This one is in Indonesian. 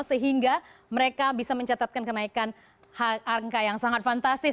sehingga mereka bisa mencatatkan kenaikan angka yang sangat fantastis